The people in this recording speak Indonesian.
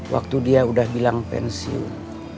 waktu dia udah bilang pensiun